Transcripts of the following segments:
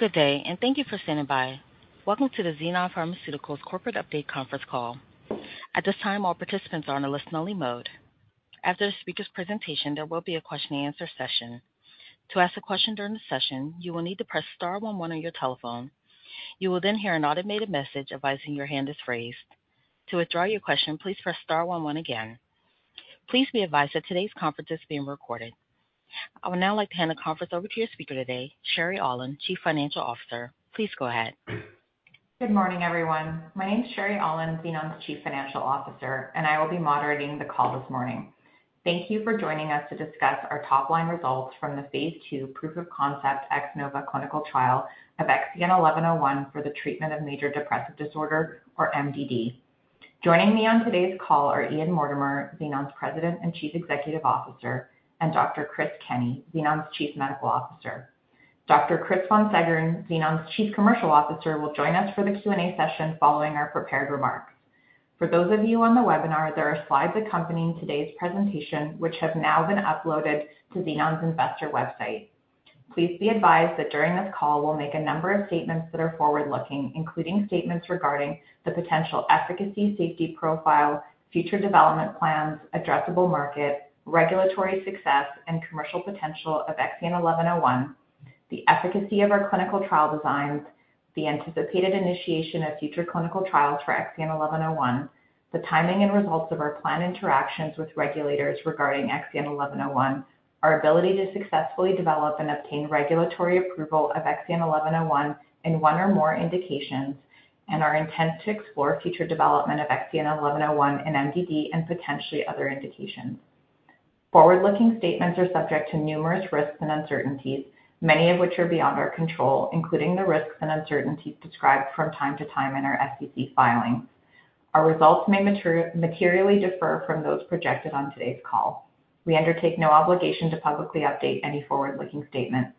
Good day, and thank you for standing by. Welcome to the Xenon Pharmaceuticals Corporate Update Conference Call. At this time, all participants are in a listen-only mode. After the speaker's presentation, there will be a question-and-answer session. To ask a question during the session, you will need to press star one one on your telephone. You will then hear an automated message advising your hand is raised. To withdraw your question, please press star one one again. Please be advised that today's conference is being recorded. I would now like to hand the conference over to your speaker today, Sherry Aulin, Chief Financial Officer. Please go ahead. Good morning, everyone. My name is Sherry Aulin, Xenon's Chief Financial Officer, and I will be moderating the call this morning. Thank you for joining us to discuss our top-line results from the phase II proof of concept X-NOVA clinical trial of XEN1101 for the treatment of major depressive disorder or MDD. Joining me on today's call are Ian Mortimer, Xenon's President and Chief Executive Officer, and Dr. Chris Kenney, Xenon's Chief Medical Officer. Dr. Chris von Seggern, Xenon's Chief Commercial Officer, will join us for the Q&A session following our prepared remarks. For those of you on the webinar, there are slides accompanying today's presentation, which have now been uploaded to Xenon's investor website. Please be advised that during this call, we'll make a number of statements that are forward-looking, including statements regarding the potential efficacy, safety profile, future development plans, addressable market, regulatory success, and commercial potential of XEN1101, the efficacy of our clinical trial designs, the anticipated initiation of future clinical trials for XEN1101, the timing and results of our planned interactions with regulators regarding XEN1101, our ability to successfully develop and obtain regulatory approval of XEN1101 in one or more indications, and our intent to explore future development of XEN1101 in MDD and potentially other indications. Forward-looking statements are subject to numerous risks and uncertainties, many of which are beyond our control, including the risks and uncertainties described from time to time in our SEC filings. Our results may materially differ from those projected on today's call. We undertake no obligation to publicly update any forward-looking statement.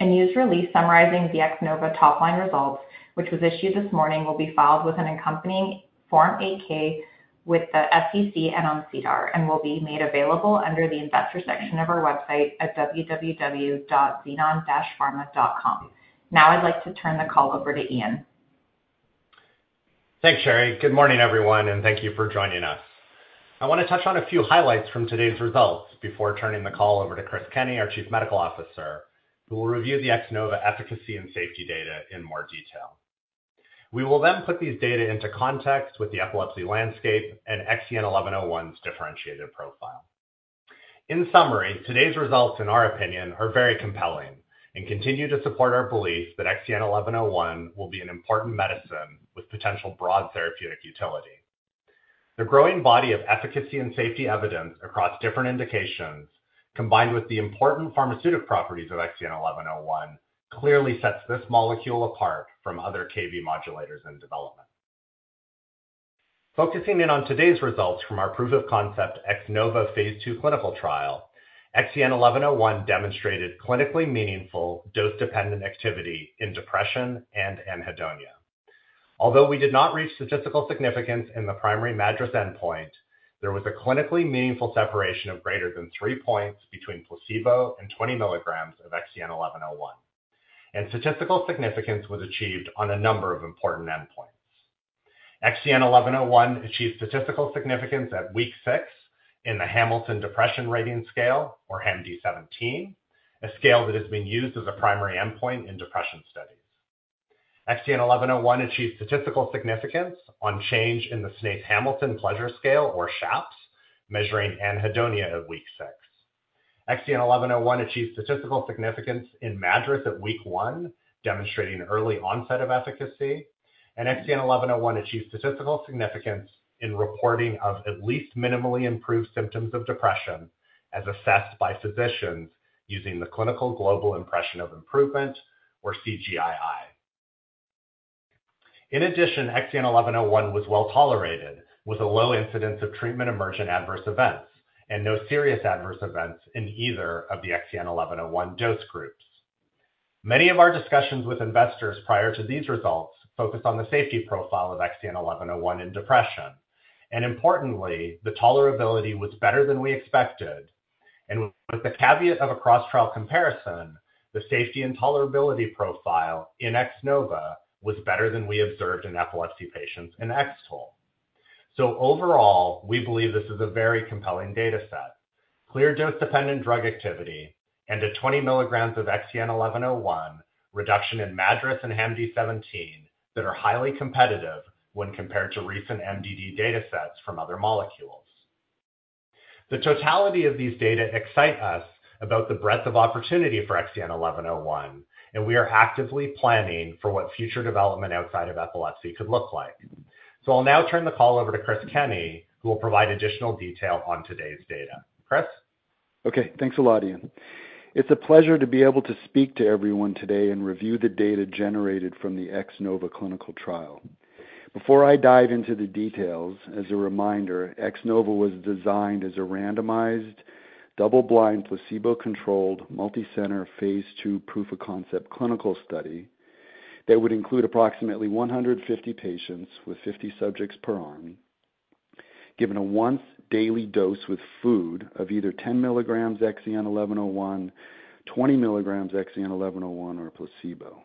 A news release summarizing the X-NOVA top-line results, which was issued this morning, will be filed with an accompanying Form 8-K with the SEC and on SEDAR, and will be made available under the investor section of our website at www.xenon-pharma.com. Now I'd like to turn the call over to Ian. Thanks, Sherry. Good morning, everyone, and thank you for joining us. I want to touch on a few highlights from today's results before turning the call over to Chris Kenney, our Chief Medical Officer, who will review the X-NOVA efficacy and safety data in more detail. We will then put these data into context with the epilepsy landscape and XEN1101's differentiated profile. In summary, today's results, in our opinion, are very compelling and continue to support our belief that XEN1101 will be an important medicine with potential broad therapeutic utility. The growing body of efficacy and safety evidence across different indications, combined with the important pharmaceutical properties of XEN1101, clearly sets this molecule apart from other Kv7 modulators in development. Focusing in on today's results from our proof of concept, X-NOVA phase II clinical trial, XEN1101 demonstrated clinically meaningful dose-dependent activity in depression and anhedonia. Although we did not reach statistical significance in the primary MADRS endpoint, there was a clinically meaningful separation of greater than three points between placebo and 20 mg of XEN1101, and statistical significance was achieved on a number of important endpoints. XEN1101 achieved statistical significance at week six in the Hamilton Depression Rating Scale, or HAMD-17, a scale that has been used as a primary endpoint in depression studies. XEN1101 achieved statistical significance on change in the Snaith-Hamilton Pleasure Scale, or SHAPS, measuring anhedonia at week six. XEN1101 achieved statistical significance in MADRS at week one, demonstrating early onset of efficacy, and XEN1101 achieved statistical significance in reporting of at least minimally improved symptoms of depression, as assessed by physicians using the Clinical Global Impression of Improvement, or CGI-I. In addition, XEN1101 was well tolerated, with a low incidence of treatment-emergent adverse events and no serious adverse events in either of the XEN1101 dose groups. Many of our discussions with investors prior to these results focused on the safety profile of XEN1101 in depression, and importantly, the tolerability was better than we expected, and with the caveat of a cross-trial comparison, the safety and tolerability profile in X-NOVA was better than we observed in epilepsy patients in X-TOLE. So overall, we believe this is a very compelling data set. Clear dose-dependent drug activity and a 20 mg of XEN1101 reduction in MADRS and HAMD-17 that are highly competitive when compared to recent MDD data sets from other molecules. The totality of these data excite us about the breadth of opportunity for XEN1101, and we are actively planning for what future development outside of epilepsy could look like. I'll now turn the call over to Chris Kenney, who will provide additional detail on today's data. Chris? Okay, thanks a lot, Ian. It's a pleasure to be able to speak to everyone today and review the data generated from the X-NOVA clinical trial. Before I dive into the details, as a reminder, X-NOVA was designed as a randomized, double-blind, placebo-controlled, multicenter, phase II proof of concept clinical study that would include approximately 150 patients with 50 subjects per arm, given a once daily dose with food of either 10 mg XEN1101, 20 mg XEN1101, or a placebo.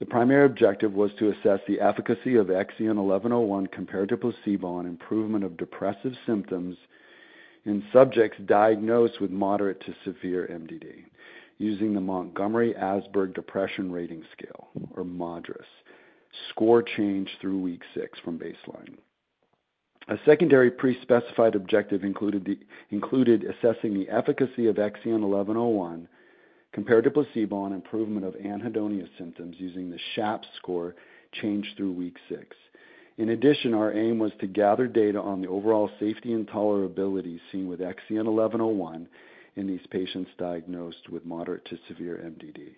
The primary objective was to assess the efficacy of XEN1101 compared to placebo on improvement of depressive symptoms in subjects diagnosed with moderate to severe MDD, using the Montgomery-Åsberg Depression Rating Scale, or MADRS, score change through week six from baseline. A secondary pre-specified objective included assessing the efficacy of XEN1101 compared to placebo on improvement of anhedonia symptoms using the SHAPS score change through week six. In addition, our aim was to gather data on the overall safety and tolerability seen with XEN1101 in these patients diagnosed with moderate to severe MDD.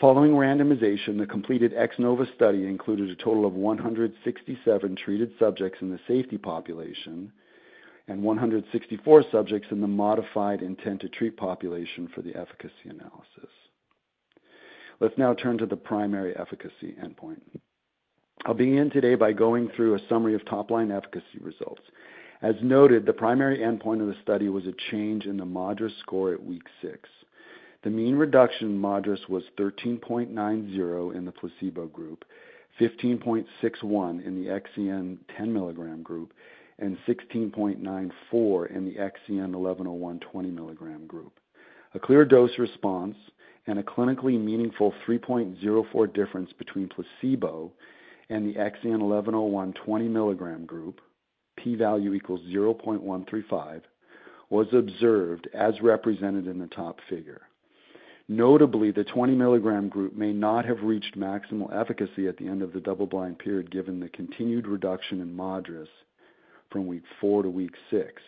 Following randomization, the completed X-NOVA study included a total of 167 treated subjects in the safety population and 164 subjects in the modified intent to treat population for the efficacy analysis. Let's now turn to the primary efficacy endpoint. I'll begin today by going through a summary of top-line efficacy results. As noted, the primary endpoint of the study was a change in the MADRS score at week six. The mean reduction in MADRS was 13.90 in the placebo group, 15.61 in the XEN1101 10 mg group, and 16.94 in the XEN1101 20 mg group. A clear dose response and a clinically meaningful 3.04 difference between placebo and the XEN1101 20 mg group, p-value = 0.135, was observed as represented in the top figure. Notably, the 20 mg group may not have reached maximal efficacy at the end of the double-blind period, given the continued reduction in MADRS from week four to week six.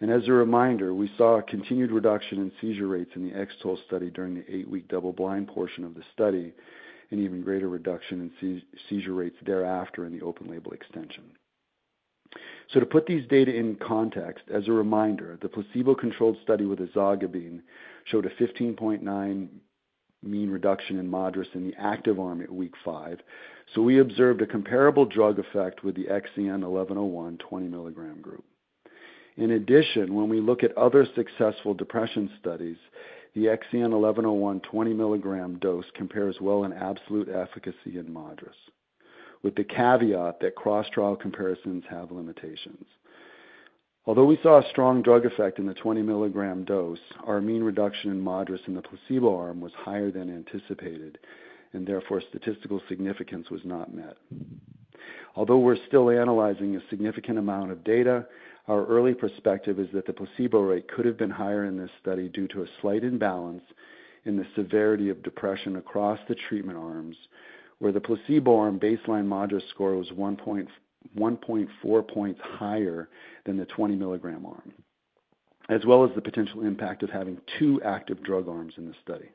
As a reminder, we saw a continued reduction in seizure rates in the X-TOLE study during the eight-week double-blind portion of the study, and even greater reduction in seizure rates thereafter in the open-label extension. To put these data in context, as a reminder, the placebo-controlled study with ezogabine showed a 15.9 mean reduction in MADRS in the active arm at week five, so we observed a comparable drug effect with the XEN1101 20 mg group. In addition, when we look at other successful depression studies, the XEN1101 20 mg dose compares well in absolute efficacy in MADRS, with the caveat that cross-trial comparisons have limitations. Although we saw a strong drug effect in the 20 mg dose, our mean reduction in MADRS in the placebo arm was higher than anticipated, and therefore statistical significance was not met. Although we're still analyzing a significant amount of data, our early perspective is that the placebo rate could have been higher in this study due to a slight imbalance in the severity of depression across the treatment arms, where the placebo arm baseline MADRS score was 1.4 points higher than the 20 mg arm, as well as the potential impact of having two active drug arms in the study.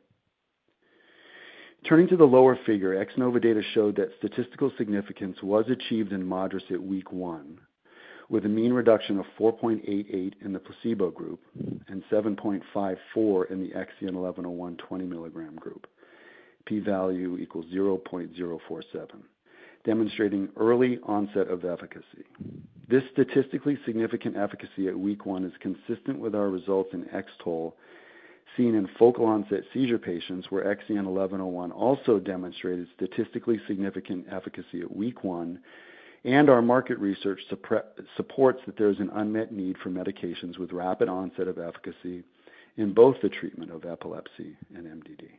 Turning to the lower figure, X-NOVA data showed that statistical significance was achieved in MADRS at week one, with a mean reduction of 4.88 in the placebo group and 7.54 in the XEN1101 20 mg group, p-value = 0.047, demonstrating early onset of efficacy. This statistically significant efficacy at week one is consistent with our results in X-TOLE, seen in focal onset seizure patients, where XEN1101 also demonstrated statistically significant efficacy at week one, and our market research supports that there is an unmet need for medications with rapid onset of efficacy in both the treatment of epilepsy and MDD.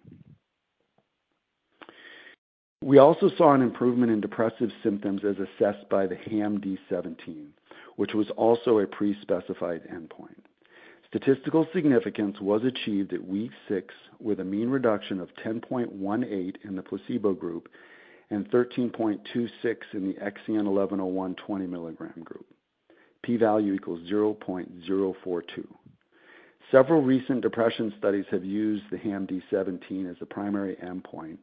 We also saw an improvement in depressive symptoms as assessed by the HAMD-17, which was also a pre-specified endpoint. Statistical significance was achieved at week six, with a mean reduction of 10.18 in the placebo group and 13.26 in the XEN1101 20 mg group, p-value = 0.042. Several recent depression studies have used the HAMD-17 as a primary endpoint,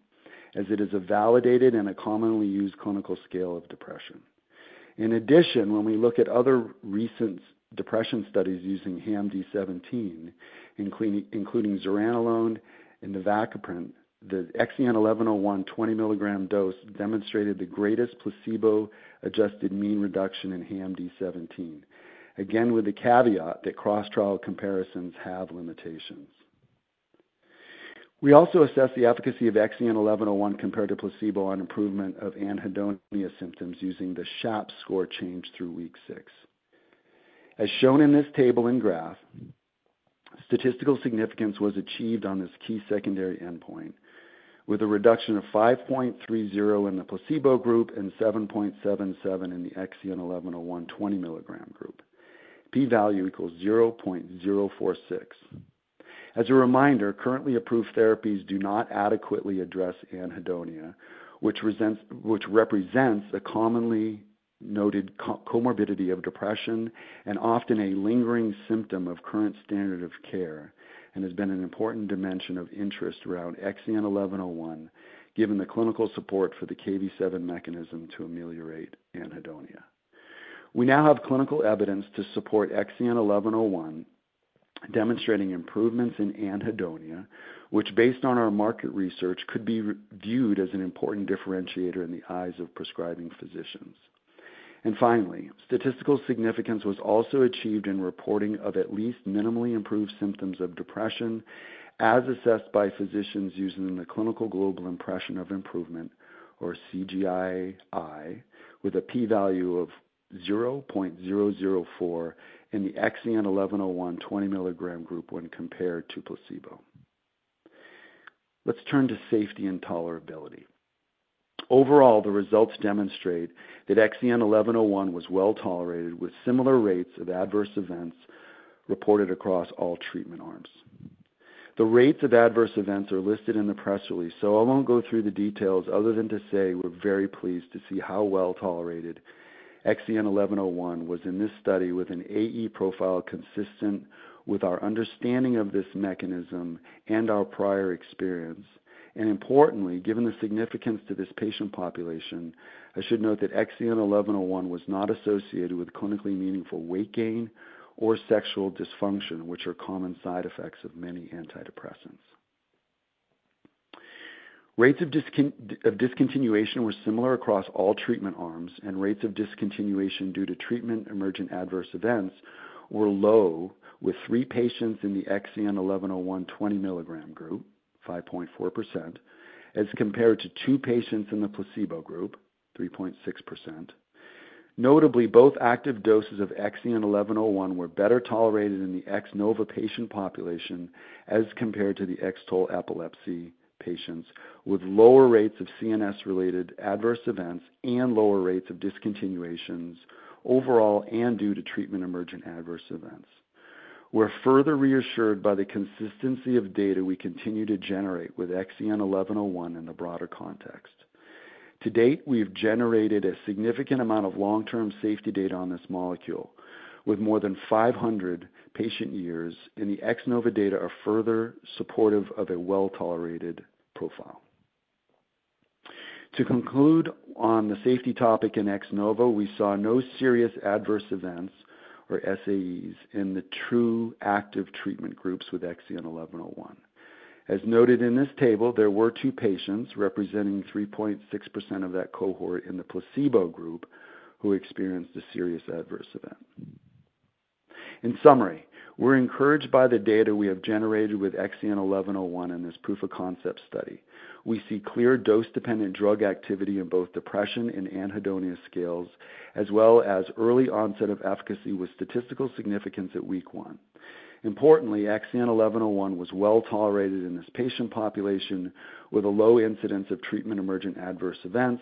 as it is a validated and a commonly used clinical scale of depression. In addition, when we look at other recent depression studies using HAMD-17, including zuranolone and navacaprant, the XEN1101 20 mg dose demonstrated the greatest placebo-adjusted mean reduction in HAMD-17. Again, with the caveat that cross-trial comparisons have limitations. We also assessed the efficacy of XEN1101 compared to placebo on improvement of anhedonia symptoms using the SHAPS score change through week six. As shown in this table and graph, statistical significance was achieved on this key secondary endpoint, with a reduction of 5.30 in the placebo group and 7.77 in the XEN1101 20 mg group, p-value = 0.046. As a reminder, currently approved therapies do not adequately address anhedonia, which represents a commonly noted comorbidity of depression and often a lingering symptom of current standard of care, and has been an important dimension of interest around XEN1101, given the clinical support for the Kv7 mechanism to ameliorate anhedonia. We now have clinical evidence to support XEN1101 demonstrating improvements in anhedonia, which based on our market research, could be reviewed as an important differentiator in the eyes of prescribing physicians. Finally, statistical significance was also achieved in reporting of at least minimally improved symptoms of depression, as assessed by physicians using the Clinical Global Impression of Improvement, or CGI-I, with a p-value of 0.004 in the XEN1101 20 mg group when compared to placebo. Let's turn to safety and tolerability. Overall, the results demonstrate that XEN1101 was well tolerated, with similar rates of adverse events reported across all treatment arms. The rates of adverse events are listed in the press release, so I won't go through the details other than to say we're very pleased to see how well tolerated XEN1101 was in this study, with an AE profile consistent with our understanding of this mechanism and our prior experience. Importantly, given the significance to this patient population, I should note that XEN1101 was not associated with clinically meaningful weight gain or sexual dysfunction, which are common side effects of many antidepressants. Rates of discontinuation were similar across all treatment arms, and rates of discontinuation due to treatment-emergent adverse events were low, with three patients in the XEN1101 20 mg group, 5.4%, as compared to two patients in the placebo group, 3.6%. Notably, both active doses of XEN1101 were better tolerated in the X-NOVA patient population as compared to the X-TOLE epilepsy patients, with lower rates of CNS-related adverse events and lower rates of discontinuations overall, and due to treatment-emergent adverse events. We're further reassured by the consistency of data we continue to generate with XEN1101 in the broader context. To date, we've generated a significant amount of long-term safety data on this molecule, with more than 500 patient years, and the X-NOVA data are further supportive of a well-tolerated profile. To conclude on the safety topic in X-NOVA, we saw no serious adverse events, or SAEs, in the true active treatment groups with XEN1101. As noted in this table, there were two patients representing 3.6% of that cohort in the placebo group, who experienced a serious adverse event. In summary, we're encouraged by the data we have generated with XEN1101 in this proof of concept study. We see clear dose-dependent drug activity in both depression and anhedonia scales, as well as early onset of efficacy with statistical significance at week one. Importantly, XEN1101 was well tolerated in this patient population, with a low incidence of treatment-emergent adverse events,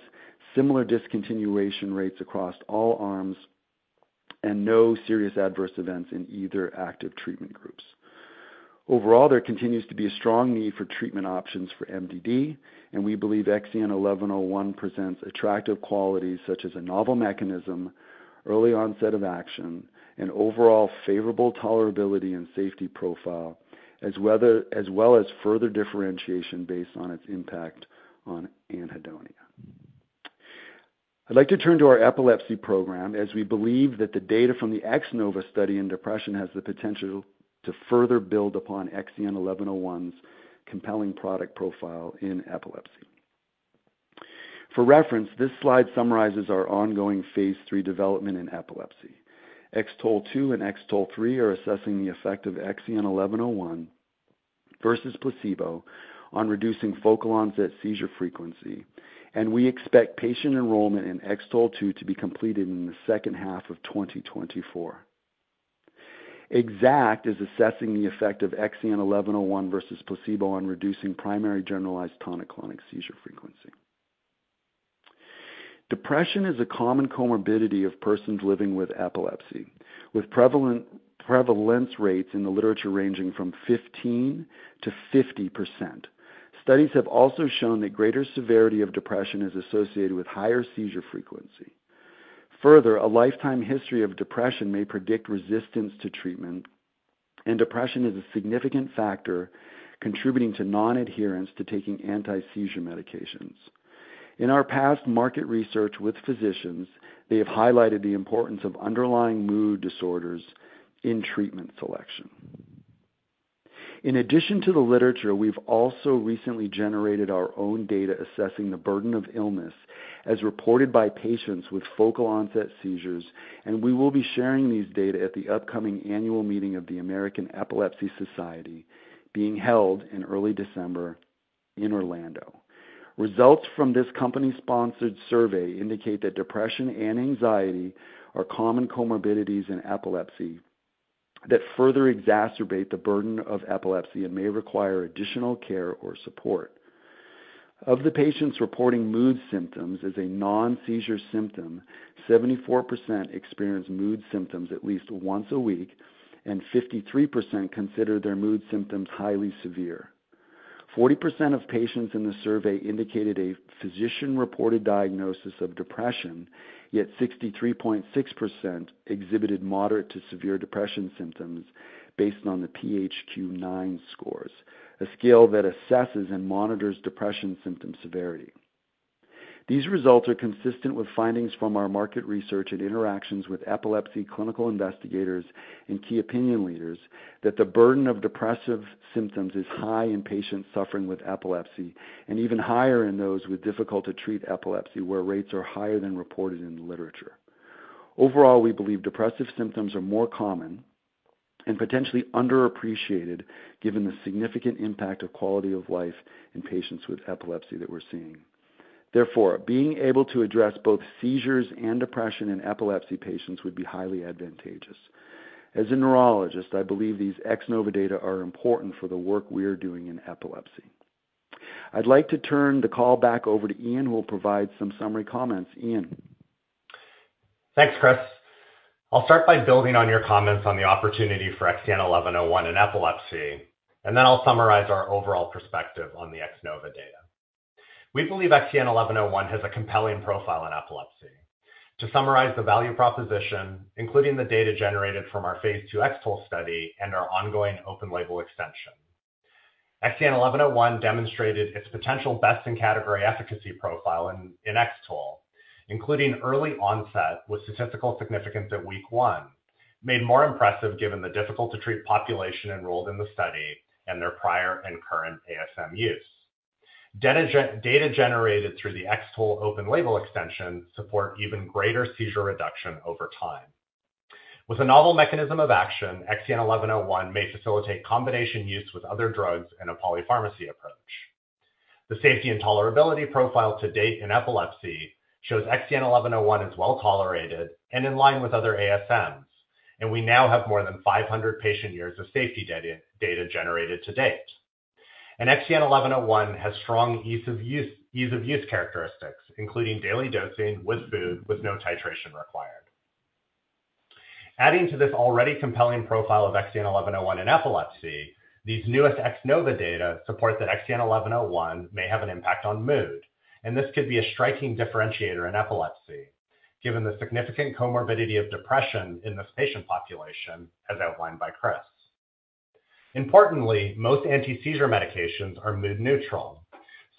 similar discontinuation rates across all arms, and no serious adverse events in either active treatment groups. Overall, there continues to be a strong need for treatment options for MDD, and we believe XEN1101 presents attractive qualities such as a novel mechanism, early onset of action, and overall favorable tolerability and safety profile, as well as further differentiation based on its impact on anhedonia. I'd like to turn to our epilepsy program, as we believe that the data from the X-NOVA study in depression has the potential to further build upon XEN1101's compelling product profile in epilepsy. For reference, this slide summarizes our ongoing phase III development in epilepsy. X-TOLE2 and X-TOLE3 are assessing the effect of XEN1101 versus placebo on reducing focal onset seizure frequency, and we expect patient enrollment in X-TOLE2 to be completed in the second half of 2024. X-ACKT is assessing the effect of XEN1101 versus placebo on reducing primary generalized tonic-clonic seizure frequency. Depression is a common comorbidity of persons living with epilepsy, with prevalence rates in the literature ranging from 15%-50%. Studies have also shown that greater severity of depression is associated with higher seizure frequency. Further, a lifetime history of depression may predict resistance to treatment, and depression is a significant factor contributing to nonadherence to taking anti-seizure medications. In our past market research with physicians, they have highlighted the importance of underlying mood disorders in treatment selection. In addition to the literature, we've also recently generated our own data assessing the burden of illness as reported by patients with focal onset seizures, and we will be sharing these data at the upcoming annual meeting of the American Epilepsy Society, being held in early December in Orlando. Results from this company-sponsored survey indicate that depression and anxiety are common comorbidities in epilepsy that further exacerbate the burden of epilepsy and may require additional care or support. Of the patients reporting mood symptoms as a non-seizure symptom, 74% experience mood symptoms at least once a week, and 53% consider their mood symptoms highly severe. 40% of patients in the survey indicated a physician-reported diagnosis of depression, yet 63.6% exhibited moderate to severe depression symptoms based on the PHQ-9 scores, a scale that assesses and monitors depression symptom severity. These results are consistent with findings from our market research and interactions with epilepsy clinical investigators and key opinion leaders, that the burden of depressive symptoms is high in patients suffering with epilepsy and even higher in those with difficult to treat epilepsy, where rates are higher than reported in the literature. Overall, we believe depressive symptoms are more common and potentially underappreciated, given the significant impact of quality of life in patients with epilepsy that we're seeing. Therefore, being able to address both seizures and depression in epilepsy patients would be highly advantageous. As a neurologist, I believe these X-NOVA data are important for the work we are doing in epilepsy. I'd like to turn the call back over to Ian, who will provide some summary comments. Ian? Thanks, Chris. I'll start by building on your comments on the opportunity for XEN1101 in epilepsy, and then I'll summarize our overall perspective on the X-NOVA data. We believe XEN1101 has a compelling profile in epilepsy. To summarize the value proposition, including the data generated from our phase II X-TOLE study and our ongoing open label extension. XEN1101 demonstrated its potential best in category efficacy profile in X-TOLE, including early onset with statistical significance at week one, made more impressive given the difficult to treat population enrolled in the study and their prior and current ASM use. Data generated through the X-TOLE open label extension support even greater seizure reduction over time. With a novel mechanism of action, XEN1101 may facilitate combination use with other drugs in a polypharmacy approach. The safety and tolerability profile to date in epilepsy shows XEN1101 is well tolerated and in line with other ASMs, and we now have more than 500 patient years of safety data, data generated to date. XEN1101 has strong ease of use, ease of use characteristics, including daily dosing with food, with no titration required. Adding to this already compelling profile of XEN1101 in epilepsy, these newest X-NOVA data support that XEN1101 may have an impact on mood, and this could be a striking differentiator in epilepsy, given the significant comorbidity of depression in this patient population, as outlined by Chris. Importantly, most anti-seizure medications are mood neutral.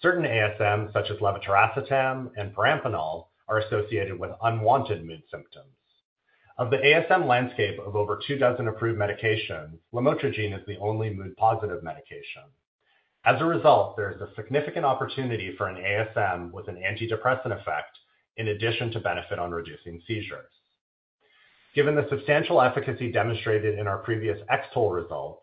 Certain ASMs, such as levetiracetam and perampanel, are associated with unwanted mood symptoms. Of the ASM landscape of over two dozen approved medications, lamotrigine is the only mood-positive medication. As a result, there is a significant opportunity for an ASM with an antidepressant effect in addition to benefit on reducing seizures. Given the substantial efficacy demonstrated in our previous X-TOLE results,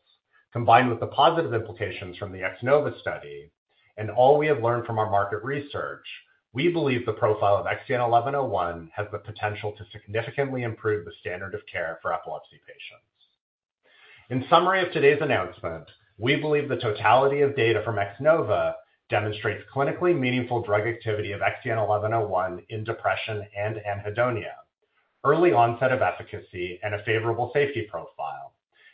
combined with the positive implications from the X-NOVA study and all we have learned from our market research, we believe the profile of XEN1101 has the potential to significantly improve the standard of care for epilepsy patients. In summary of today's announcement, we believe the totality of data from X-NOVA demonstrates clinically meaningful drug activity of XEN1101 in depression and anhedonia, early onset of efficacy and a favorable safety profile.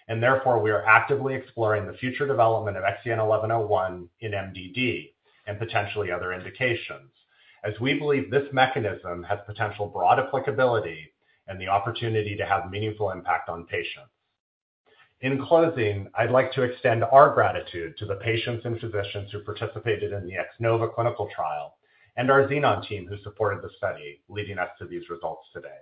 And therefore, we are actively exploring the future development of XEN1101 in MDD and potentially other indications, as we believe this mechanism has potential broad applicability and the opportunity to have meaningful impact on patients. In closing, I'd like to extend our gratitude to the patients and physicians who participated in the X-NOVA clinical trial and our Xenon team, who supported the study, leading us to these results today.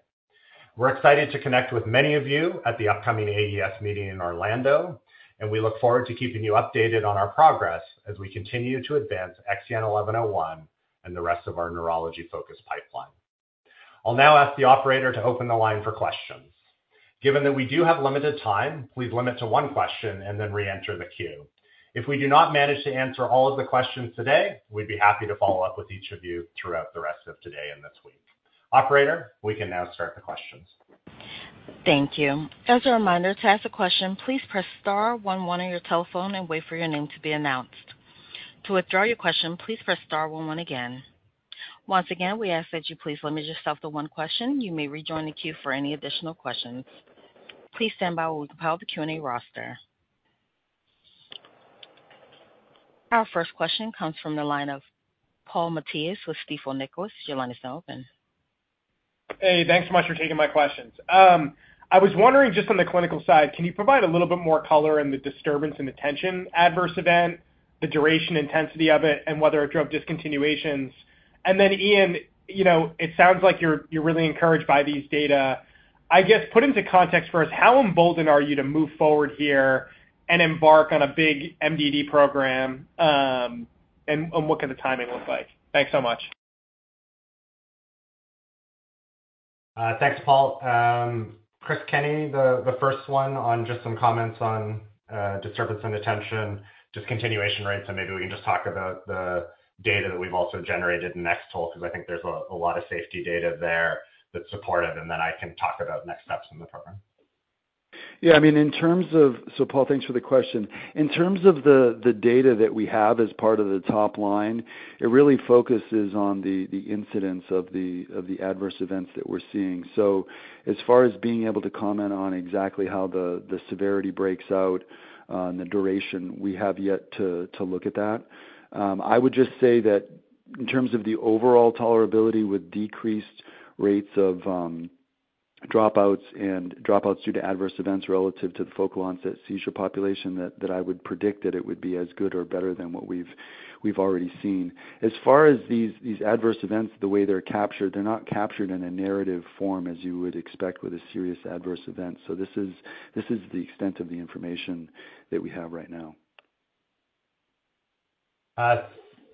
We're excited to connect with many of you at the upcoming AES meeting in Orlando, and we look forward to keeping you updated on our progress as we continue to advance XEN1101 and the rest of our neurology-focused pipeline. I'll now ask the operator to open the line for questions. Given that we do have limited time, please limit to one question and then reenter the queue. If we do not manage to answer all of the questions today, we'd be happy to follow up with each of you throughout the rest of today and this week. Operator, we can now start the questions. Thank you. As a reminder, to ask a question, please press star one one on your telephone and wait for your name to be announced. To withdraw your question, please press star one one again. Once again, we ask that you please limit yourself to one question. You may rejoin the queue for any additional questions. Please stand by while we compile the Q&A roster. Our first question comes from the line of Paul Matteis with Stifel Nicolaus. Your line is now open. Hey, thanks so much for taking my questions. I was wondering, just on the clinical side, can you provide a little bit more color in the disturbance and attention adverse event, the duration, intensity of it, and whether it drove discontinuations? And then, Ian, you know, it sounds like you're really encouraged by these data. I guess, put into context for us, how emboldened are you to move forward here and embark on a big MDD program, and what could the timing look like? Thanks so much. Thanks, Paul. Chris Kenney, the first one on just some comments on disturbance and attention, discontinuation rates, and maybe we can just talk about the data that we've also generated in X-TOLE, because I think there's a lot of safety data there that's supportive, and then I can talk about next steps in the program. Yeah. Paul, thanks for the question. In terms of the data that we have as part of the top line, it really focuses on the, the incidence of the, of the adverse events that we're seeing. As far as being able to comment on exactly how the, the severity breaks out, and the duration, we have yet to, to look at that. I would just say that in terms of the overall tolerability with decreased rates of dropouts and dropouts due to adverse events relative to the focal onset seizure population that, that I would predict that it would be as good or better than what we've already seen. As far as these, these adverse events, the way they're captured, they're not captured in a narrative form as you would expect with a serious adverse event. This is the extent of the information that we have right now.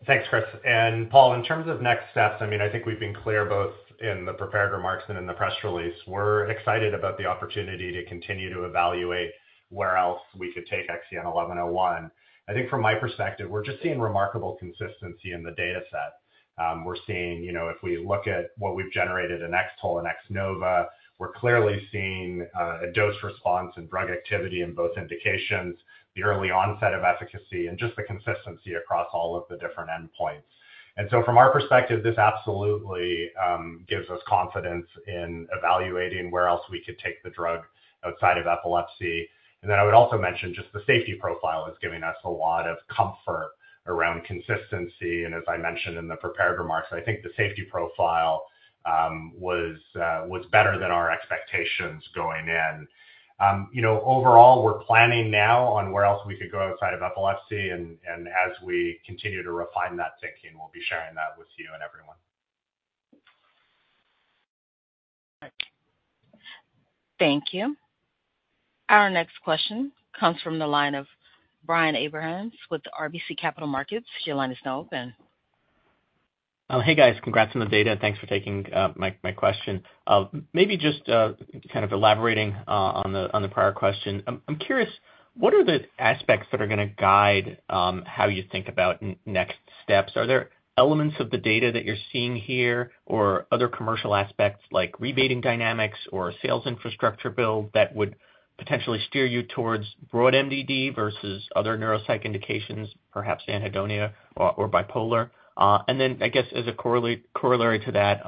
Thanks, Chris. And Paul, in terms of next steps, I mean, I think we've been clear both in the prepared remarks and in the press release. We're excited about the opportunity to continue to evaluate where else we could take XEN1101. I think from my perspective, we're just seeing remarkable consistency in the data set. We're seeing, you know, if we look at what we've generated in X-TOLE and X-NOVA, we're clearly seeing a dose response and drug activity in both indications, the early onset of efficacy and just the consistency across all of the different endpoints. And so from our perspective, this absolutely gives us confidence in evaluating where else we could take the drug outside of epilepsy. And then I would also mention just the safety profile is giving us a lot of comfort around consistency. As I mentioned in the prepared remarks, I think the safety profile was better than our expectations going in. You know, overall, we're planning now on where else we could go outside of epilepsy, and as we continue to refine that thinking, we'll be sharing that with you and everyone. Thank you. Our next question comes from the line of Brian Abrahams with RBC Capital Markets. Your line is now open. Hey, guys. Congrats on the data, and thanks for taking my question. Maybe just kind of elaborating on the prior question. I'm curious, what are the aspects that are going to guide how you think about next steps? Are there elements of the data that you're seeing here or other commercial aspects like rebating dynamics or sales infrastructure build that would potentially steer you towards broad MDD versus other neuropsych indications, perhaps anhedonia or bipolar? And then, I guess, as a corollary to that,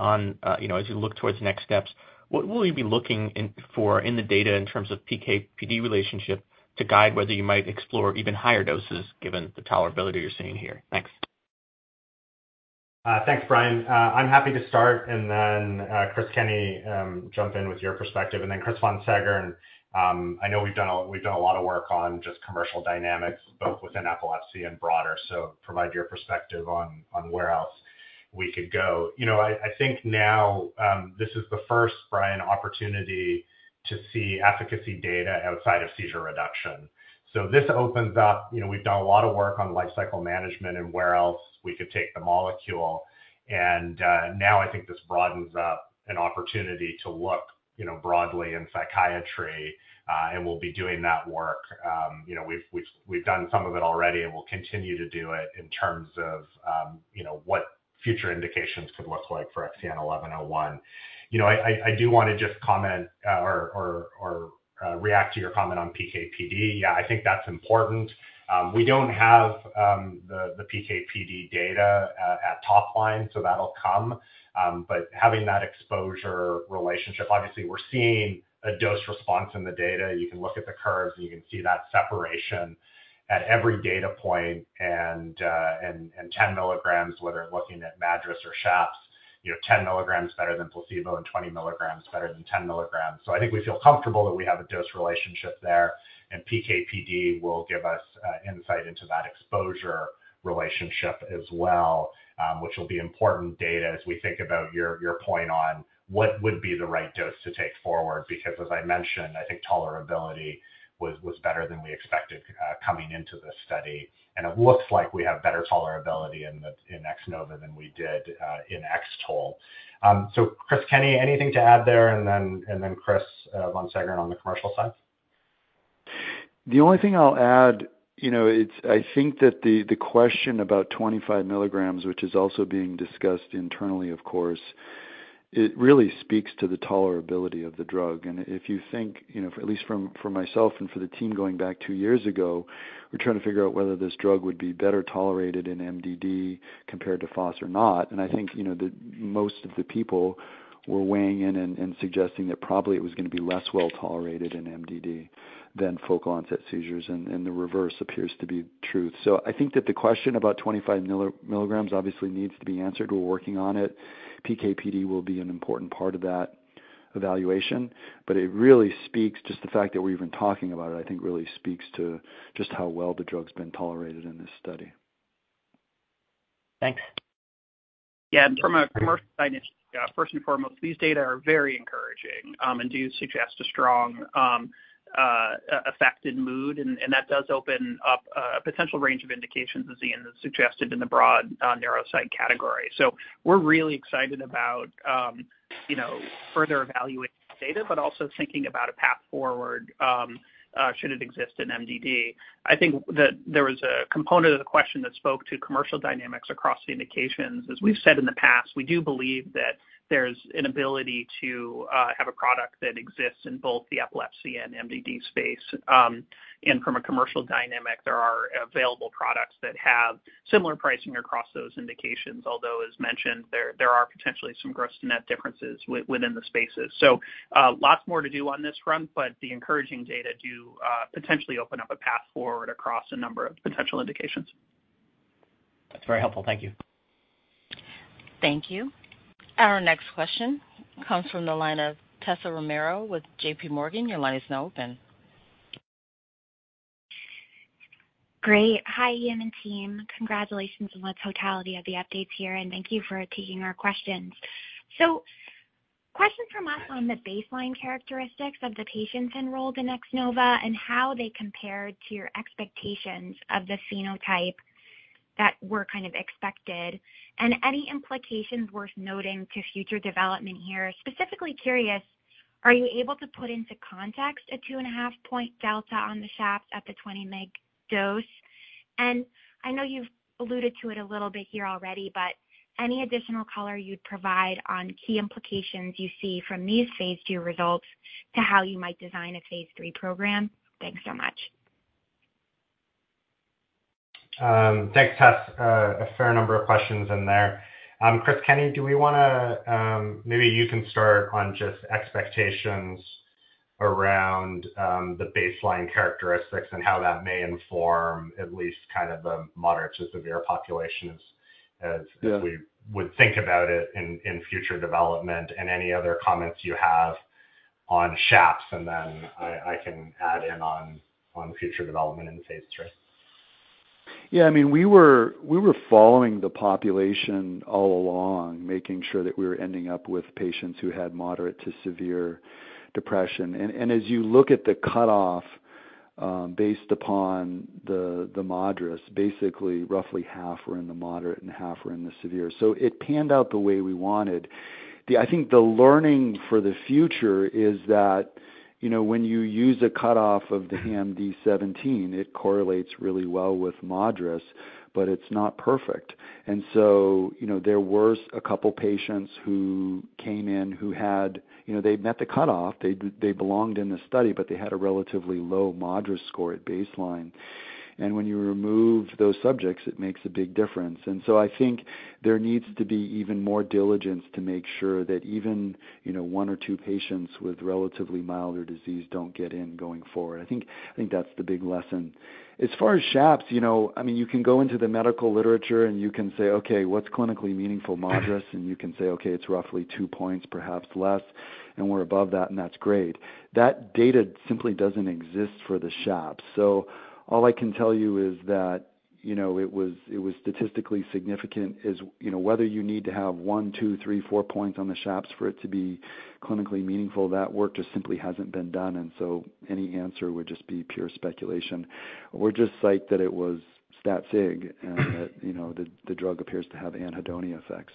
you know, as you look towards next steps, what will you be looking for in the data in terms of PK/PD relationship to guide whether you might explore even higher doses given the tolerability you're seeing here? Thanks. Thanks, Brian. I'm happy to start, and then Chris Kenney jump in with your perspective. And then, Chris von Seggern, I know we've done a lot of work on just commercial dynamics, both within epilepsy and broader. So provide your perspective on where else we could go. You know, I think now this is the first, Brian, opportunity to see efficacy data outside of seizure reduction. So this opens up, we've done a lot of work on lifecycle management and where else we could take the molecule. And now I think this broadens up an opportunity to look, you know, broadly in psychiatry, and we'll be doing that work. You know, we've done some of it already, and we'll continue to do it in terms of, you know, what future indications could look like for XEN1101. You know, I do want to just comment or react to your comment on PK/PD. Yeah, I think that's important. We don't have the PK/PD data at top line, so that'll come. But having that exposure relationship, obviously, we're seeing a dose response in the data. You can look at the curves, and you can see that separation at every data point. 10 mg, whether looking at MADRS or SHAPS, you know, 10 mg better than placebo and 20 mg better than 10 mg. So I think we feel comfortable that we have a dose relationship there, and PK/PD will give us, insight into that exposure relationship as well, which will be important data as we think about your, your point on what would be the right dose to take forward. Because as I mentioned, I think tolerability was, was better than we expected, coming into this study, and it looks like we have better tolerability in the, in X-NOVA than we did, in X-TOLE. So Chris Kenney, anything to add there? And then, and then Chris von Seggern on the commercial side. The only thing I'll add, I think that the question about 25 mg, which is also being discussed internally, of course, it really speaks to the tolerability of the drug. And if you think, you know, at least from, for myself and for the team going back two years ago, we're trying to figure out whether this drug would be better tolerated in MDD compared to FOS or not. And I think, you know, the most of the people were weighing in and suggesting that probably it was going to be less well tolerated in MDD than focal onset seizures, and the reverse appears to be true. So I think that the question about 25 mg obviously needs to be answered. We're working on it. PK/PD will be an important part of that evaluation, but it really speaks, just the fact that we're even talking about it, I think, really speaks to just how well the drug's been tolerated in this study. Thanks. Yeah, and from a commercial perspective, first and foremost, these data are very encouraging, and do suggest a strong effect in mood, and that does open up a potential range of indications, as Ian has suggested, in the broad neuropsych category. So we're really excited about, you know, further evaluating data, but also thinking about a path forward, should it exist in MDD. I think that there was a component of the question that spoke to commercial dynamics across the indications. As we've said in the past, we do believe that there's an ability to have a product that exists in both the epilepsy and MDD space. And from a commercial dynamic, there are available products that have similar pricing across those indications, although, as mentioned, there are potentially some gross net differences within the spaces. Lots more to do on this front, but the encouraging data do potentially open up a path forward across a number of potential indications. That's very helpful. Thank you. Thank you. Our next question comes from the line of Tessa Romero with JPMorgan. Your line is now open. Great. Hi, Ian and team. Congratulations on the totality of the updates here, and thank you for taking our questions. Question from us on the baseline characteristics of the patients enrolled in X-NOVA and how they compare to your expectations of the phenotype that were kind of expected, and any implications worth noting to future development here. Specifically curious, are you able to put into context a 2.5-point delta on the SHAPS at the 20 mg dose? I know you've alluded to it a little bit here already, but any additional color you'd provide on key implications you see from these phase II results to how you might design a phase III program? Thanks so much. Thanks, Tess. A fair number of questions in there. Chris Kenney, maybe you can start on just expectations around the baseline characteristics and how that may inform at least kind of the moderate to severe populations as we would think about it in future development, and any other comments you have on SHAPS, and then I can add in on future development in phase III. Yeah, I mean, we were following the population all along, making sure that we were ending up with patients who had moderate to severe depression. And as you look at the cutoff, based upon the MADRS, basically roughly half were in the moderate and half were in the severe. So it panned out the way we wanted. I think the learning for the future is that, you know, when you use a cutoff of the HAMD-17, it correlates really well with MADRS, but it's not perfect. And so, you know, there were a couple patients who came in who had, you know, they met the cutoff, they belonged in the study, but they had a relatively low MADRS score at baseline. And when you remove those subjects, it makes a big difference. And so I think there needs to be even more diligence to make sure that even, you know, one or two patients with relatively milder disease don't get in going forward. I think, I think that's the big lesson. As far as SHAPS, you know, I mean, you can go into the medical literature and you can say, okay, what's clinically meaningful MADRS? And you can say, okay, it's roughly two points, perhaps less, and we're above that, and that's great. That data simply doesn't exist for the SHAPS. So all I can tell you is that, you know, it was, it was statistically significant is, you know, whether you need to have one, two, three, four points on the SHAPS for it to be clinically meaningful, that work just simply hasn't been done, and so any answer would just be pure speculation. We're just psyched that it was stat sig and that, you know, the drug appears to have anhedonia effects.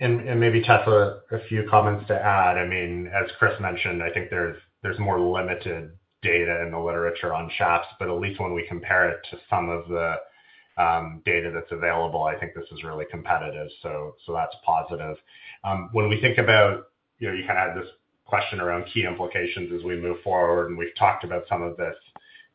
Maybe, Tess, a few comments to add. I mean, as Chris mentioned, I think there's more limited data in the literature on SHAPS, but at least when we compare it to some of the data that's available, I think this is really competitive. So that's positive. When we think about, you know, you had this question around key implications as we move forward, and we've talked about some of this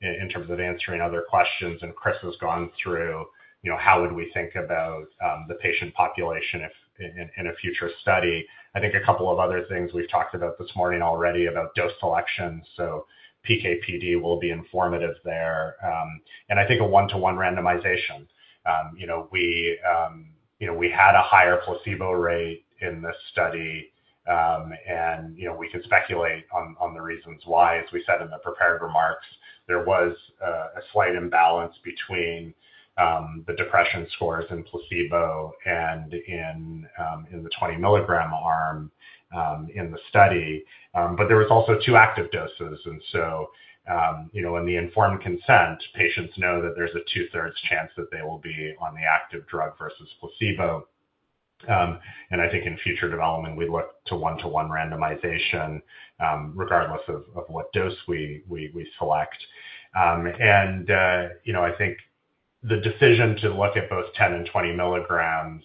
in terms of answering other questions, and Chris has gone through, you know, how would we think about the patient population if in a future study? I think a couple of other things we've talked about this morning already, about dose selection, so PK/PD will be informative there. And I think a one-to-one randomization. You know, we had a higher placebo rate in this study, and you know, we could speculate on the reasons why. As we said in the prepared remarks, there was a slight imbalance between the depression scores in placebo and in the 20 mg arm in the study. There was also two active doses and so in the informed consent, patients know that there's a 2/3 chance that they will be on the active drug versus placebo. I think in future development, we look to 1:1 randomization, regardless of what dose we select. I think the decision to look at both 10 mg and 20 mg,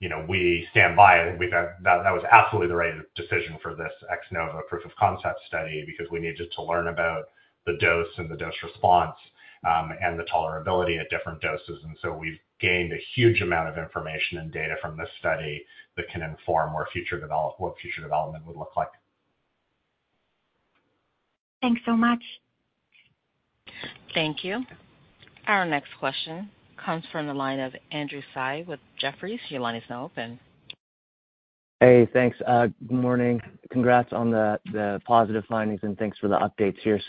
you know, we stand by it. We've had. That was absolutely the right decision for this X-NOVA proof of concept study because we needed to learn about the dose and the dose response, and the tolerability at different doses. And so we've gained a huge amount of information and data from this study that can inform what future development would look like. Thanks so much. Thank you. Our next question comes from the line of Andrew Tsai with Jefferies. Your line is now open. Hey, thanks. Good morning. Congrats on the positive findings, and thanks for the updates here.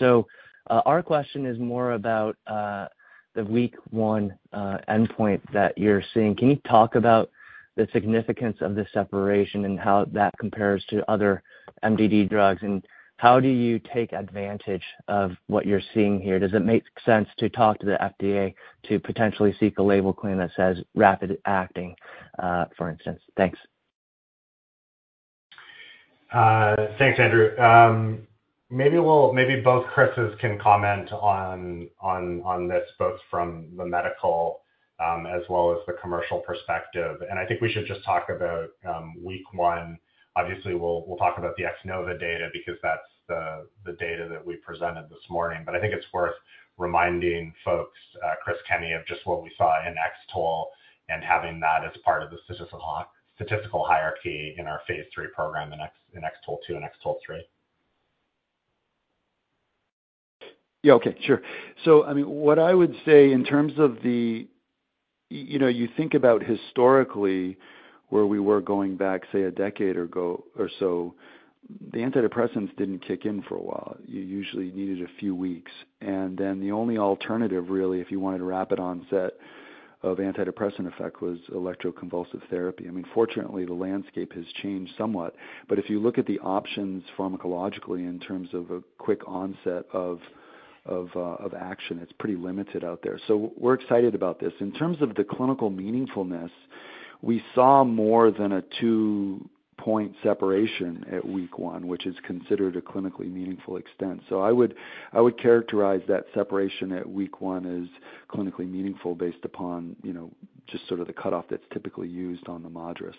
Our question is more about the week one endpoint that you're seeing. Can you talk about the significance of the separation and how that compares to other MDD drugs? And how do you take advantage of what you're seeing here? Does it make sense to talk to the FDA to potentially seek a label claim that says rapid acting, for instance? Thanks. Thanks, Andrew. Maybe both Chrises can comment on this, both from the medical, as well as the commercial perspective. And I think we should just talk about week one. Obviously, we'll, we'll talk about the X-NOVA data because that's the, the data that we presented this morning. But I think it's worth reminding folks, Chris Kenney, of just what we saw in X-TOLE and having that as part of the statistical hierarchy in our phase III program, in X-TOLE2 and X-TOLE3. Yeah, okay, sure. So, I mean, what I would say in terms of the, you know, you think about historically, where we were going back, say, a decade ago or so, the antidepressants didn't kick in for a while. You usually needed a few weeks, and then the only alternative, really, if you wanted a rapid onset of antidepressant effect, was electroconvulsive therapy. I mean, fortunately, the landscape has changed somewhat. But if you look at the options pharmacologically in terms of a quick onset of action, it's pretty limited out there. So we're excited about this. In terms of the clinical meaningfulness, we saw more than a two-point separation at week one, which is considered a clinically meaningful extent. I would characterize that separation at week one as clinically meaningful based upon, you know, just sort of the cutoff that's typically used on the MADRS.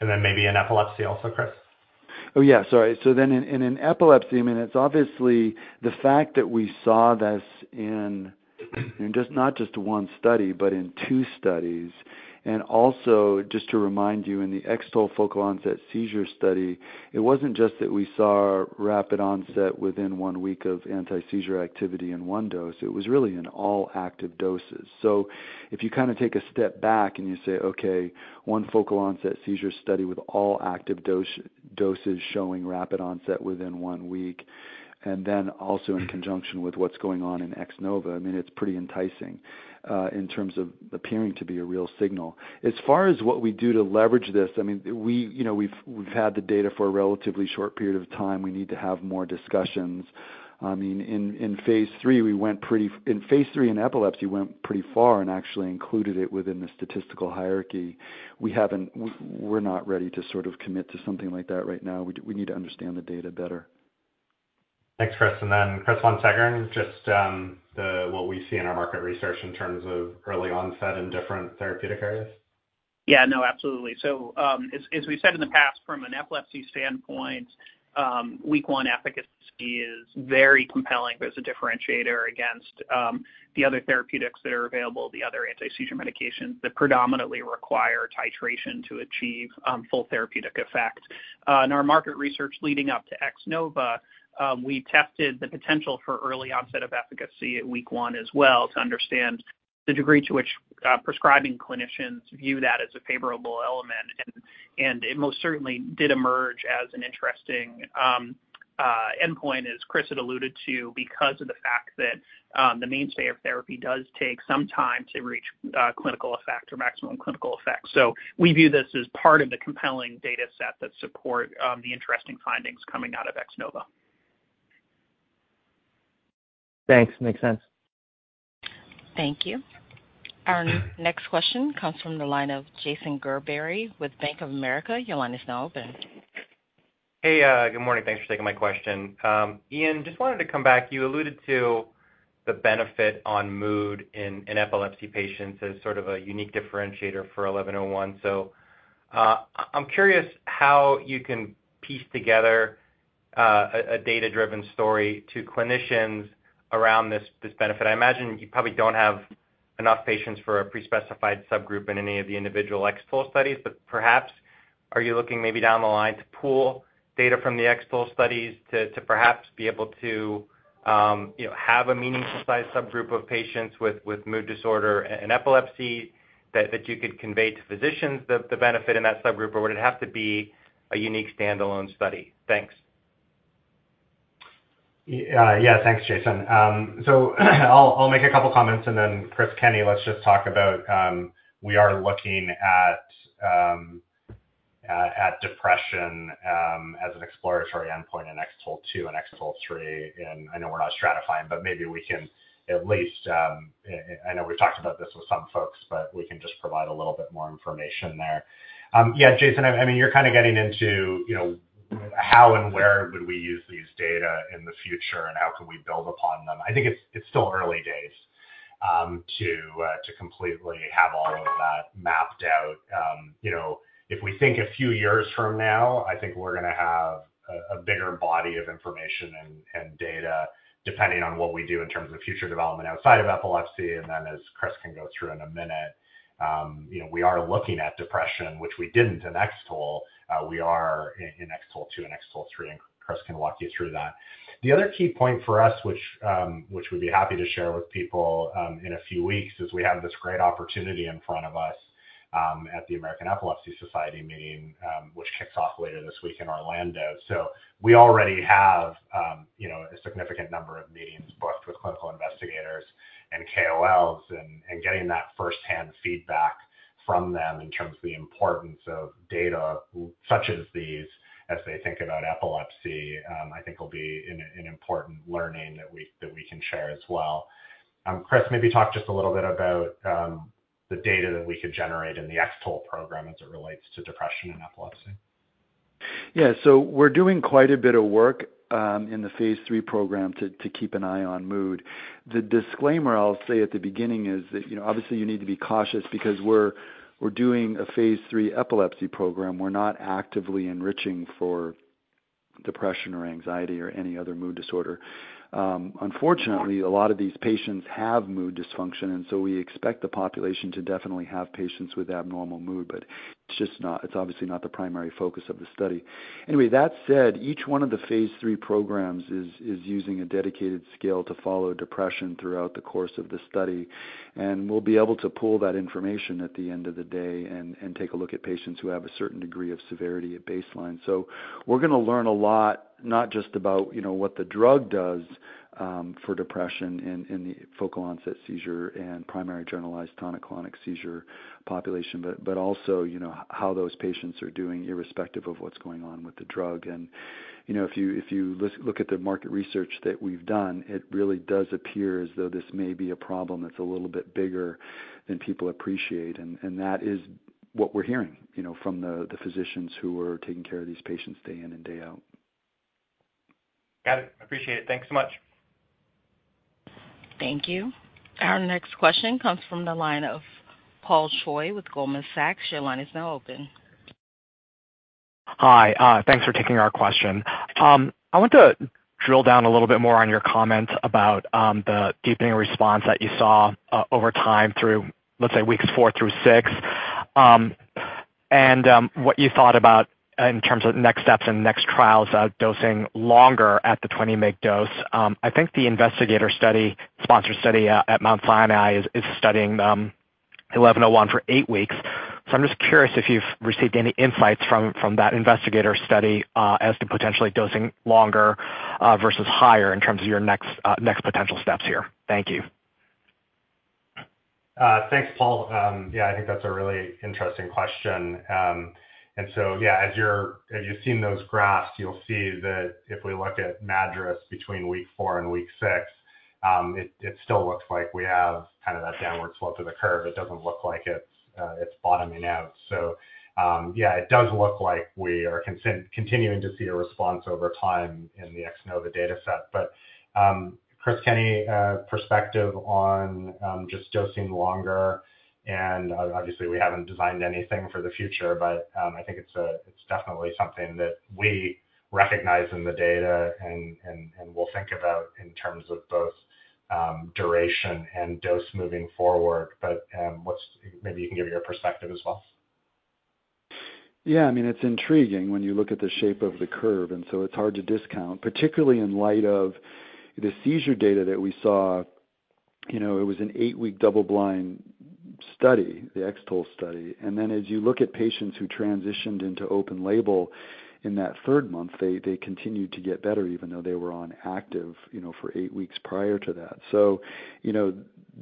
And then maybe in epilepsy also, Chris? Oh, yeah, sorry. So then in an epilepsy, I mean, it's obviously the fact that we saw this in just, not just one study, but in two studies. And also, just to remind you, in the X-TOLE focal onset seizure study, it wasn't just that we saw rapid onset within one week of anti-seizure activity in one dose, it was really in all active doses. So if you kind of take a step back and you say, okay, one focal onset seizure study with all active doses showing rapid onset within one week, and then also in conjunction with what's going on in X-NOVA, I mean, it's pretty enticing in terms of appearing to be a real signal. As far as what we do to leverage this, I mean, we, you know, we've had the data for a relatively short period of time. We need to have more discussions. I mean, in phase III, in epilepsy, we went pretty far and actually included it within the statistical hierarchy. We haven't, we're not ready to sort of commit to something like that right now. We need to understand the data better. Thanks, Chris. Then Chris von Seggern, just what we see in our market research in terms of early onset in different therapeutic areas. Yeah, no, absolutely. So, as we've said in the past, from an epilepsy standpoint, week one efficacy is very compelling. There's a differentiator against the other therapeutics that are available, the other anti-seizure medications that predominantly require titration to achieve full therapeutic effect. In our market research leading up to X-NOVA, we tested the potential for early onset of efficacy at week one as well, to understand the degree to which prescribing clinicians view that as a favorable element. It most certainly did emerge as an interesting endpoint, as Chris had alluded to, because of the fact that the mainstay of therapy does take some time to reach clinical effect or maximum clinical effect. We view this as part of the compelling data set that support the interesting findings coming out of X-NOVA. Thanks. Makes sense. Thank you. Our next question comes from the line of Jason Gerberry with Bank of America. Your line is now open. Hey, good morning. Thanks for taking my question. Ian, just wanted to come back. You alluded to the benefit on mood in epilepsy patients as sort of a unique differentiator for XEN1101. So, I'm curious how you can piece together a data-driven story to clinicians around this benefit. I imagine you probably don't have enough patients for a pre-specified subgroup in any of the individual X-TOLE studies, but perhaps, are you looking maybe down the line to pool data from the X-TOLE studies to perhaps be able to, you know, have a meaningful size subgroup of patients with mood disorder and epilepsy, that you could convey to physicians the benefit in that subgroup? Or would it have to be a unique standalone study? Thanks. Yeah. Thanks, Jason. So I'll, I'll make a couple comments, and then Chris Kenney, let's just talk about, we are looking at depression as an exploratory endpoint in X-TOLE2 and X-TOLE3. I know we're not stratifying, but maybe, I know we've talked about this with some folks, but we can just provide a little bit more information there. Yeah, Jason, you're kind of getting into, you know, how and where would we use these data in the future and how can we build upon them? I think it's, it's still early days, to, to completely have all of that mapped out. You know, if we think a few years from now, I think we're going to have a bigger body of information and data, depending on what we do in terms of future development outside of epilepsy. As Chris can go through in a minute, we are looking at depression, which we didn't in X-TOLE. We are in X-TOLE2 and X-TOLE3, and Chris can walk you through that. The other key point for us, which we'd be happy to share with people in a few weeks, is we have this great opportunity in front of us at the American Epilepsy Society meeting, which kicks off later this week in Orlando. We already have a significant number of meetings booked with clinical investigators and KOLs, and getting that firsthand feedback from them in terms of the importance of data such as these as they think about epilepsy. I think will be an important learning that we can share as well. Chris, maybe talk just a little bit about the data that we could generate in the X-TOLE program as it relates to depression and epilepsy. Yeah. So we're doing quite a bit of work in the phase III program to keep an eye on mood. The disclaimer I'll say at the beginning is that, you know, obviously you need to be cautious because we're doing a phase III epilepsy program. We're not actively enriching for depression or anxiety or any other mood disorder. Unfortunately, a lot of these patients have mood dysfunction, and so we expect the population to definitely have patients with abnormal mood, but it's just not. It's obviously not the primary focus of the study. Anyway, that said, each one of the phase III programs is using a dedicated scale to follow depression throughout the course of the study, and we'll be able to pull that information at the end of the day and take a look at patients who have a certain degree of severity at baseline. So we're going to learn a lot, not just about, you know, what the drug does for depression in the focal onset seizure and primary generalized tonic-clonic seizure population, but also, you know, how those patients are doing irrespective of what's going on with the drug. You know, if you, if you look at the market research that we've done, it really does appear as though this may be a problem that's a little bit bigger than people appreciate, and, and that is what we're hearing, you know, from the, the physicians who are taking care of these patients day in and day out. Got it. Appreciate it. Thanks so much. Thank you. Our next question comes from the line of Paul Choi with Goldman Sachs. Your line is now open. Hi. Thanks for taking our question. I want to drill down a little bit more on your comment about the deepening response that you saw over time through, let's say, weeks four through six, and what you thought about in terms of next steps and next trials, dosing longer at the 20 mg dose. I think the investigator study, sponsor study at Mount Sinai is studying 1101 for eight weeks. So I'm just curious if you've received any insights from that investigator study as to potentially dosing longer versus higher in terms of your next potential steps here. Thank you. Thanks, Paul. Yeah, I think that's a really interesting question. And so, yeah, as you've seen those graphs, you'll see that if we look at MADRS between week four and week six, it still looks like we have kind of that downward slope of the curve. It doesn't look like it's bottoming out. So, yeah, it does look like we are continuing to see a response over time in the X-NOVA data set. But, Chris Kenney's perspective on just dosing longer, and obviously, we haven't designed anything for the future, but, I think it's definitely something that we recognize in the data and we'll think about in terms of both duration and dose moving forward. But maybe you can give your perspective as well. Yeah, I mean, it's intriguing when you look at the shape of the curve, and so it's hard to discount, particularly in light of the seizure data that we saw. You know, it was an eight-week double-blind study, the X-TOLE study. And then as you look at patients who transitioned into open-label in that third month, they, they continued to get better, even though they were on active, you know, for eight weeks prior to that. So, you know,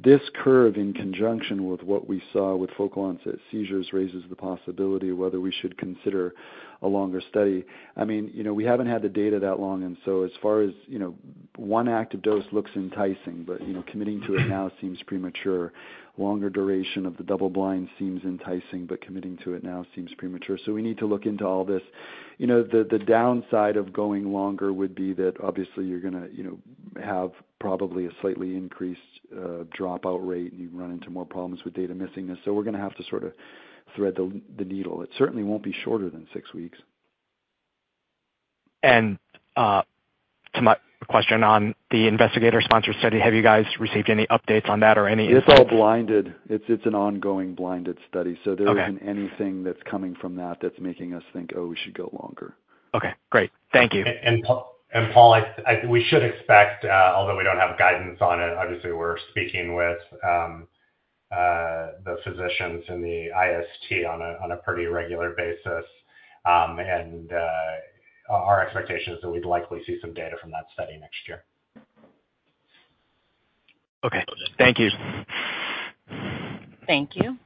this curve, in conjunction with what we saw with focal onset seizures, raises the possibility of whether we should consider a longer study. I mean, you know, we haven't had the data that long, and so as far as, you know, one active dose looks enticing, but, you know, committing to it now seems premature. Longer duration of the double-blind seems enticing, but committing to it now seems premature. So we need to look into all this. The downside of going longer would be that obviously you're going to, you know, have probably a slightly increased dropout rate, and you run into more problems with data missing. So we're going to have to sort of thread the needle. It certainly won't be shorter than six weeks. To my question on the investigator-sponsored study, have you guys received any updates on that or any input? It's all blinded. It's an ongoing blinded study. So there isn't anything that's coming from that that's making us think, oh, we should go longer. Okay, great. Thank you. And, Paul, I, we should expect, although we don't have guidance on it, obviously, we're speaking with the physicians in the IST on a pretty regular basis. Our expectation is that we'd likely see some data from that study next year. Okay. Thank you. Thank you.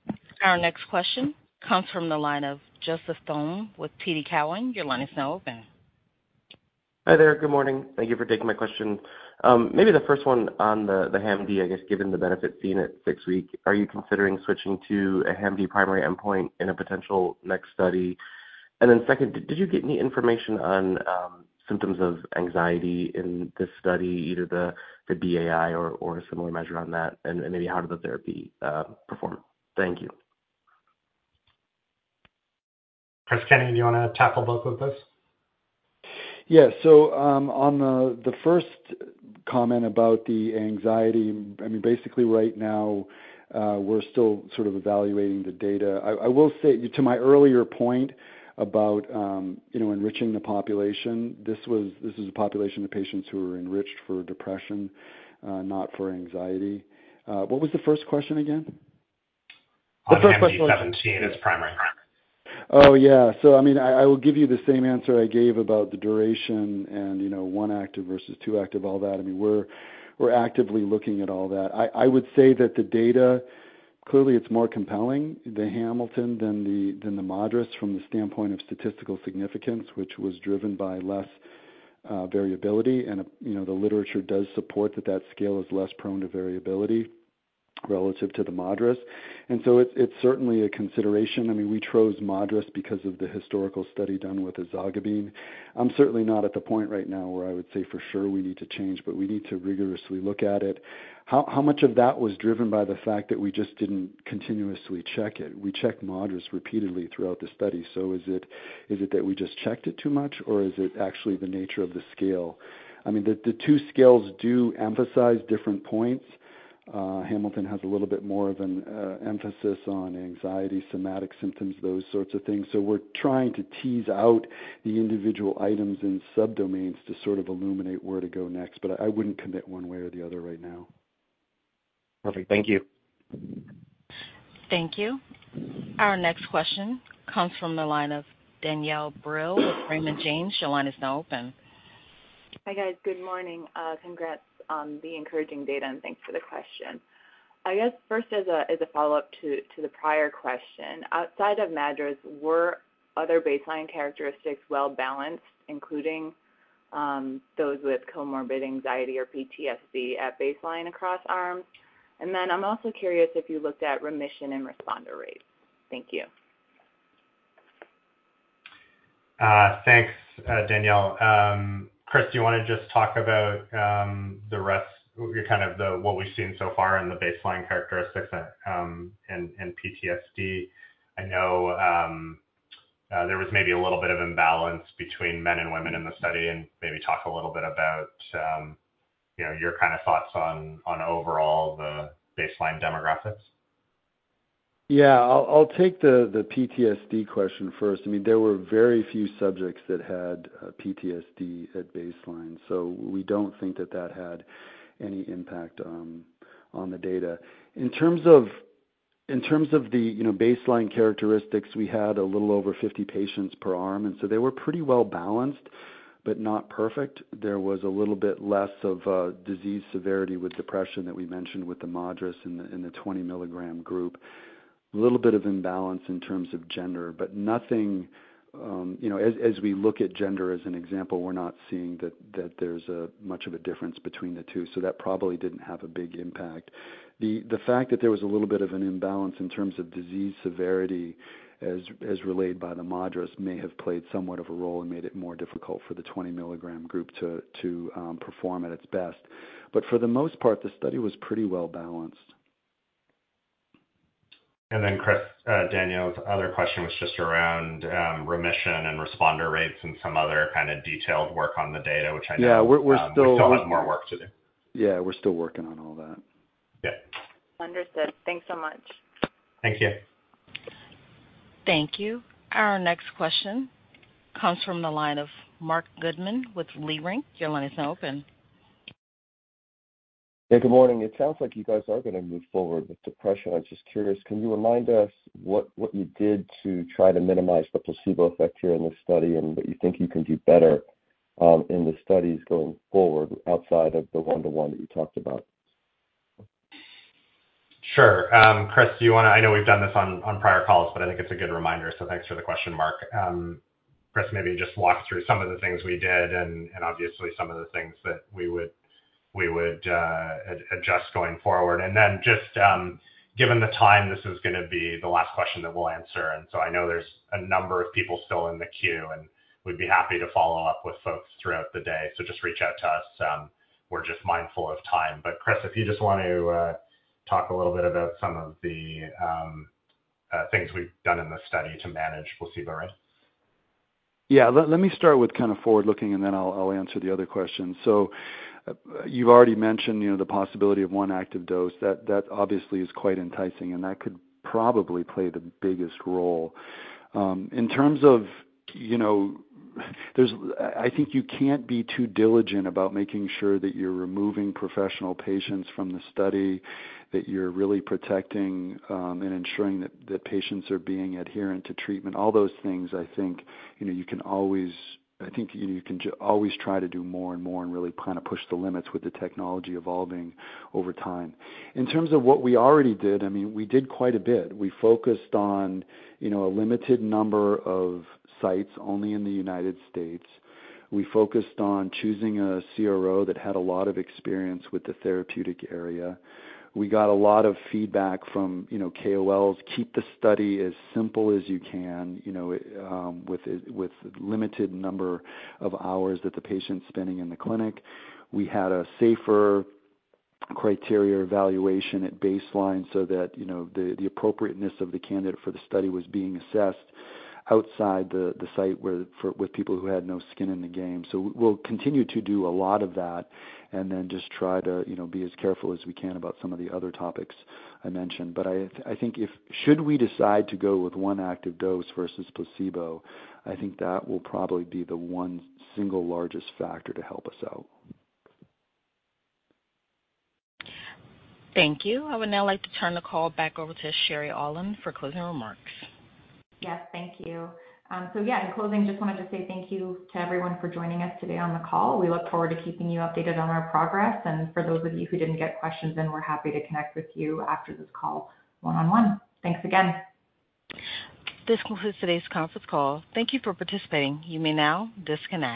Our next question comes from the line of Joseph Thome with TD Cowen. Your line is now open. Hi there. Good morning. Thank you for taking my question. Maybe the first one on the HAMD, I guess, given the benefit seen at six weeks, are you considering switching to a HAMD primary endpoint in a potential next study? And then second, did you get any information on symptoms of anxiety in this study, either the BAI or a similar measure on that? And maybe how did the therapy perform? Thank you. Chris Kenney, do you want to tackle both of those? Yeah. So, on the first comment about the anxiety, I mean, basically right now, we're still sort of evaluating the data. I will say to my earlier point about, you know, enriching the population, this is a population of patients who were enriched for depression, not for anxiety. What was the first question again? The HAMD-17 as primary. Oh, yeah. So I mean, I will give you the same answer I gave about the duration and, you know, one active versus two active, all that. I mean, we're actively looking at all that. I would say that the data, clearly, it's more compelling, the Hamilton, than the MADRS from the standpoint of statistical significance, which was driven by less variability. And, you know, the literature does support that that scale is less prone to variability relative to the MADRS. And so it's certainly a consideration. I mean, we chose MADRS because of the historical study done with ezogabine. I'm certainly not at the point right now where I would say for sure we need to change, but we need to rigorously look at it. How much of that was driven by the fact that we just didn't continuously check it? We checked MADRS repeatedly throughout the study. So is it, is it that we just checked it too much, or is it actually the nature of the scale? I mean, the two scales do emphasize different points. Hamilton has a little bit more of an emphasis on anxiety, somatic symptoms, those sorts of things. So we're trying to tease out the individual items and subdomains to sort of illuminate where to go next, but I wouldn't commit one way or the other right now. Perfect. Thank you. Thank you. Our next question comes from the line of Danielle Brill with Raymond James. Your line is now open. Hi, guys. Good morning. Congrats on the encouraging data, and thanks for the question. I guess, first, as a follow-up to the prior question, outside of MADRS, were other baseline characteristics well-balanced, including those with comorbid anxiety or PTSD at baseline across arms? And then I'm also curious if you looked at remission and responder rates. Thank you. Thanks, Danielle. Chris, do you want to just talk about the rest, kind of the what we've seen so far in the baseline characteristics in PTSD? I know there was maybe a little bit of imbalance between men and women in the study, and maybe talk a little bit about you know your kind of thoughts on overall the baseline demographics. Yeah. I'll take the PTSD question first. I mean, there were very few subjects that had PTSD at baseline, so we don't think that that had any impact on the data. In terms of the baseline characteristics, we had a little over 50 patients per arm, and so they were pretty well-balanced, but not perfect. There was a little bit less of a disease severity with depression that we mentioned with the MADRS in the 20 mg group. A little bit of imbalance in terms of gender. As we look at gender as an example, we're not seeing that there's much of a difference between the two, so that probably didn't have a big impact. The fact that there was a little bit of an imbalance in terms of disease severity, as relayed by the MADRS, may have played somewhat of a role and made it more difficult for the 20 mg group to perform at its best. But for the most part, the study was pretty well-balanced. Then, Chris, Danielle's other question was just around remission and responder rates and some other kind of detailed work on the data, which I know Yeah, we're still. We still have more work to do. Yeah, we're still working on all that. Yeah. Understood. Thanks so much. Thank you. Thank you. Our next question comes from the line of Marc Goodman with Leerink. Your line is now open. Yeah, good morning. It sounds like you guys are going to move forward with depression. I'm just curious, can you remind us what, what you did to try to minimize the placebo effect here in this study, and what you think you can do better, in the studies going forward, outside of the one to one that you talked about? Sure. Chris, I know we've done this on prior calls, but I think it's a good reminder, so thanks for the question, Marc. Chris, maybe just walk through some of the things we did and obviously some of the things that we would adjust going forward. Then just, given the time, this is going to be the last question that we'll answer, and so I know there's a number of people still in the queue, and we'd be happy to follow up with folks throughout the day. So just reach out to us. We're just mindful of time. But Chris, if you just want to talk a little bit about some of the things we've done in this study to manage placebo rates. Yeah. Let me start with kind of forward looking, and then I'll answer the other question. So you've already mentioned, you know, the possibility of one active dose. That obviously is quite enticing, and that could probably play the biggest role. In terms of, you know, I think you can't be too diligent about making sure that you're removing professional patients from the study, that you're really protecting and ensuring that patients are being adherent to treatment. All those things, I think, you know, you can always try to do more and more and really kind of push the limits with the technology evolving over time. In terms of what we already did, I mean, we did quite a bit. We focused on, you know, a limited number of sites only in the United States. We focused on choosing a CRO that had a lot of experience with the therapeutic area. We got a lot of feedback from, you know, KOLs. Keep the study as simple as you can, you know, with limited number of hours that the patient's spending in the clinic. We had a SAFER criteria evaluation at baseline so that, you know, the appropriateness of the candidate for the study was being assessed outside the site with people who had no skin in the game. So we'll continue to do a lot of that, and then just try to, you know, be as careful as we can about some of the other topics I mentioned. But I think should we decide to go with one active dose versus placebo, I think that will probably be the one single largest factor to help us out. Thank you. I would now like to turn the call back over to Sherry Aulin for closing remarks. Yes, thank you. So yeah, in closing, just wanted to say thank you to everyone for joining us today on the call. We look forward to keeping you updated on our progress, and for those of you who didn't get questions in, we're happy to connect with you after this call one-on-one. Thanks again. This concludes today's conference call. Thank you for participating. You may now disconnect.